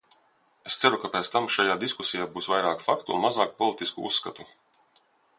Es ceru, ka pēc tam šajā diskusijā būs vairāk faktu un mazāk politisku uzskatu.